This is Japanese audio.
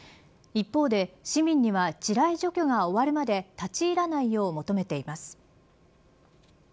一方で市民には地雷除去が終わるまで立ち入らないよう求めています。